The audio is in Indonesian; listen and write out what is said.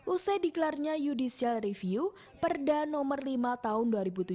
usai dikelarnya judicial review perda no lima tahun dua ribu tujuh belas